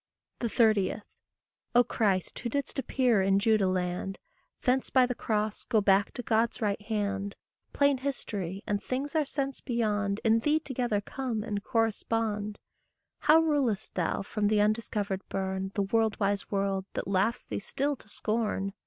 30. O Christ, who didst appear in Judah land, Thence by the cross go back to God's right hand, Plain history, and things our sense beyond, In thee together come and correspond: How rulest thou from the undiscovered bourne The world wise world that laughs thee still to scorn?